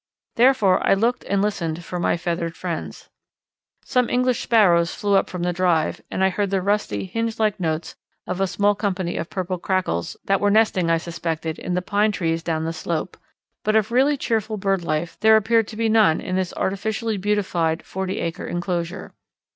Therefore I looked and listened for my feathered friends. Some English Sparrows flew up from the drive, and I heard the rusty hinge like notes of a small company of Purple Crackles that were nesting, I suspected, in the pine trees down the slope, but of really cheerful bird life there appeared to be none in this artificially beautified, forty acre enclosure.